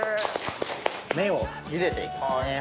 麺を茹でて行きますね。